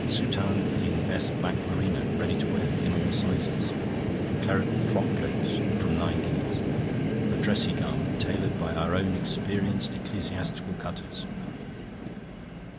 "Soutane in best black merino. Ready to wear; in all sizes. Clerical frock coats. From nine guineas. A dressy garment, tailored by our own experienced ecclesiastical cutters."